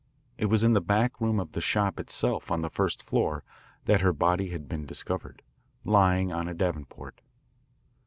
It was in the back room of the shop itself on the first floor that her body had been discovered, lying on a davenport.